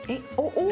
お！